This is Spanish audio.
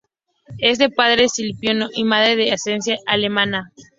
Es de padre filipino y madre de ascendencia alemana.